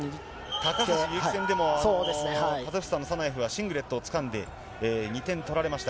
高橋侑希戦でもカザフスタンのサナエフはシングレットをつかんで、２点取られました。